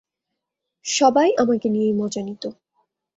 সবাই আমাকে নিয়ে মজা নিত।